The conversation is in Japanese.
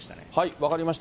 分かりました。